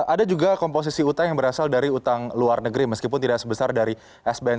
ada juga komposisi utang yang berasal dari utang luar negeri meskipun tidak sebesar dari sbn